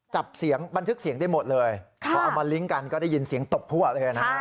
จับเสียงบันทึกเสียงได้หมดเลยพอเอามาลิงก์กันก็ได้ยินเสียงตบพั่วเลยนะฮะ